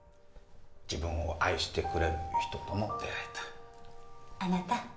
自分を愛してくれる人とも出会えた。